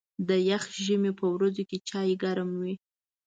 د یخ ژمي په ورځو کې چای ګرم وي.